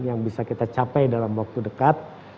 yang bisa kita capai dalam waktu dekat